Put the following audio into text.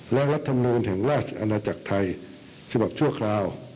และรัฐมนูลแห่งราชอาณาจักรไทยฉบับชั่วคราว